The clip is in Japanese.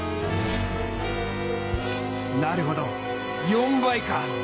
なるほど４倍か！